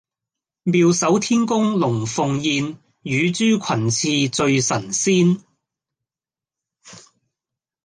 妙手天工龍鳳宴，乳豬裙翅醉神仙